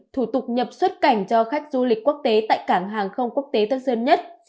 thủ tục nhập xuất cảnh cho khách du lịch quốc tế tại cảng hàng không quốc tế tân sơn nhất